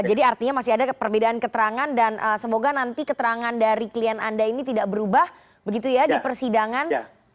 jadi artinya masih ada perbedaan keterangan dan semoga nanti keterangan dari klien anda ini tidak berubah begitu ya di persidangan